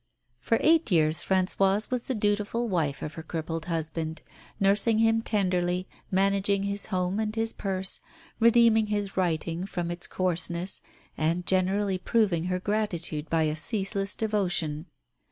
For eight years Françoise was the dutiful wife of her crippled husband, nursing him tenderly, managing his home and his purse, redeeming his writing from its coarseness, and generally proving her gratitude by a ceaseless devotion.